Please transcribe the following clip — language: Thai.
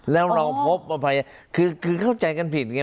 แล้วเราพบอภัยคือเข้าใจกันผิดไง